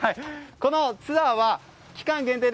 このツアーは、期間限定